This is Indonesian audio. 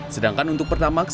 sedangkan untuk pertamax